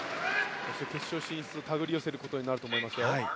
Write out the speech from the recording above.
決勝進出を手繰り寄せることになると思いますよ。